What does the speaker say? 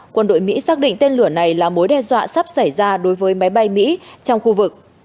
quân đội mỹ xác định tên lửa này là mối đe dọa sắp xảy ra đối với máy bay mỹ trong khu vực